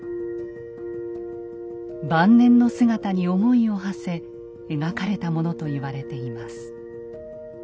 晩年の姿に思いをはせ描かれたものと言われています。